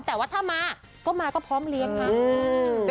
แต่ว่าถ้ามาก็มาก็พร้อมเลี้ยงนะ